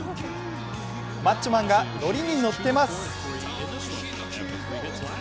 マッチョマンがノリにノッてます！